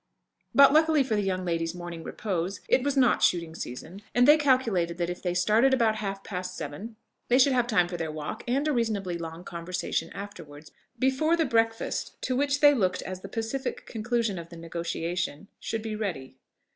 But, luckily for the young ladies' morning repose, it was not shooting season; and they calculated that if they started about half past seven they should have time for their walk, and a reasonably long conversation afterwards, before the breakfast, to which they looked as the pacific conclusion of the negotiation, should be ready.